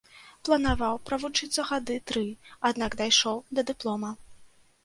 Планаваў правучыцца гады тры, аднак дайшоў да дыплома.